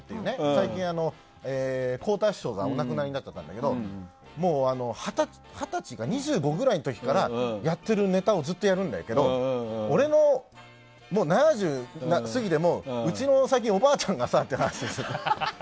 最近、こうた師匠がお亡くなりになったんだけど二十歳か２５くらいの時からやってるネタをずっとやるんだけど７０過ぎでもうちの最近おばあさんがさってなる。